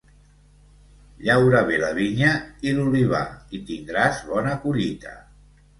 Llaura bé la vinya i l'olivar i tindràs bona collita.